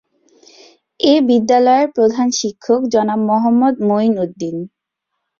এ বিদ্যালয়ের প্রধান শিক্ষক জনাব মোহাম্মদ মঈন উদ্দীন।